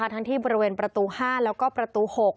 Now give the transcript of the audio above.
ทั้งที่บริเวณประตู๕แล้วก็ประตู๖